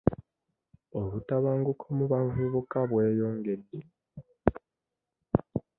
Obutabanguko mu bavubuka bweyongedde .